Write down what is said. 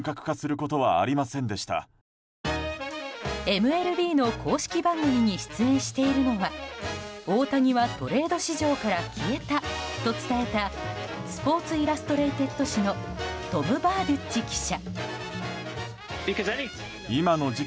ＭＬＢの公式番組に出演しているのは大谷はトレード市場から消えたと伝えた「スポーツ・イラストレイテッド」誌のトム・バーデュッチ記者。